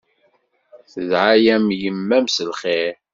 Tedɛa-yam yemma-m s lxir.